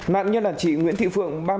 nạn nhân là chị nguyễn thị phượng